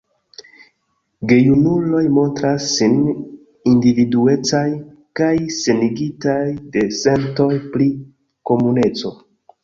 Gejunuloj montras sin individuecaj kaj senigitaj de sentoj pri komuneco.